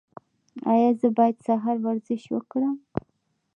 ایا زه باید سهار ورزش وکړم؟